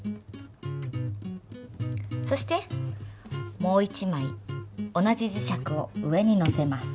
そしてもう１まい同じ磁石を上にのせます。